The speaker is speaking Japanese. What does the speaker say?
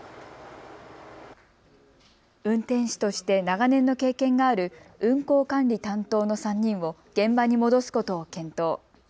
運転士として長年の経験がある運行管理担当の３人を現場に戻すことを検討。